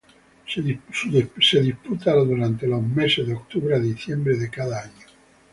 Se disputa durante los meses de octubre a diciembre de cada año.